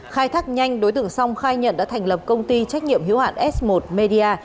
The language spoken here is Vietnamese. khai thác nhanh đối tượng song khai nhận đã thành lập công ty trách nhiệm hiếu hạn s một media